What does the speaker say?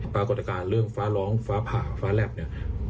ปรากฏการณ์เรื่องฟ้าร้องฟ้าผ่าฟ้าแหลบเนี่ย